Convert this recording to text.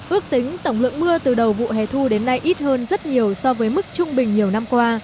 ước tính tổng lượng mưa từ đầu vụ hè thu đến nay ít hơn rất nhiều so với mức trung bình nhiều năm qua